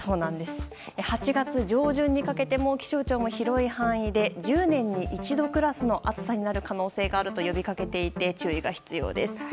８月上旬にかけても気象庁も広い範囲で１０年に一度クラスの暑さになる可能性があると呼びかけていて注意が必要です。